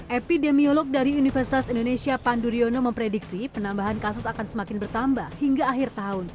epidemiolog dari universitas indonesia pandu riono memprediksi penambahan kasus akan semakin bertambah hingga akhir tahun